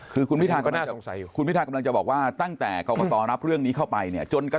คุณพิวธากำลังจะบอกว่าตั้งแต่เขาก็ตอนับเรื่องนี้เข้าไปเนี่ย